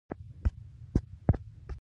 توپک د پوهې مخه نیسي.